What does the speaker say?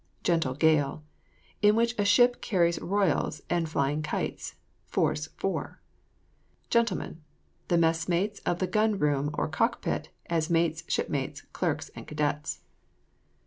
GENTLE GALE. In which a ship carries royals and flying kites; force 4. GENTLEMEN. The messmates of the gun room or cockpit as mates, midshipmen, clerks, and cadets.